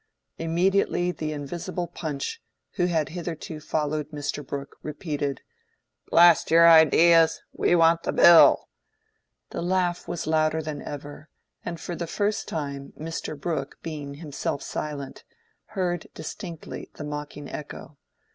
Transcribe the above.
Immediately the invisible Punch, who had hitherto followed Mr. Brooke, repeated, "Blast your ideas! we want the Bill." The laugh was louder than ever, and for the first time Mr. Brooke being himself silent, heard distinctly the mocking echo.